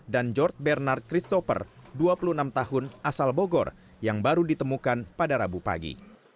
dan george bernard christopher dua puluh enam tahun asal bogor yang baru ditemukan pada rabu pagi